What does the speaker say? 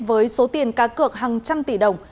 với số tiền cá cược hàng trăm tỷ đồng